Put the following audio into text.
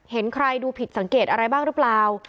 เห็นใครดูผิดสังเกตอะไรบ้างหรือเปล่า